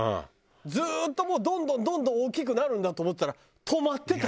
ずっとどんどんどんどん大きくなるんだと思ってたら止まってた。